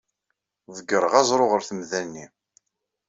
Ḍeggreɣ aẓru ɣer temda-nni.